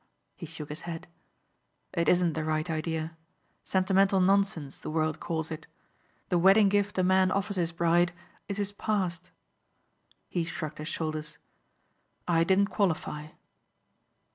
He shook his head. "It isn't the right idea. Sentimental nonsense the world calls it. The wedding gift a man offers his bride is his past." He shrugged his shoulders. "I didn't qualify."